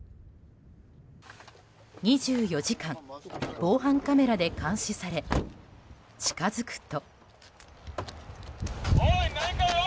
２４時間、防犯カメラで監視され近づくと。